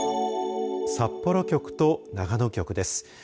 札幌局と長野局です。